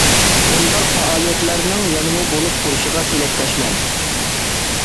بۇنداق پائالىيەتلەرنىڭ يەنىمۇ بولۇپ تۇرۇشىغا تىلەكداشمەن.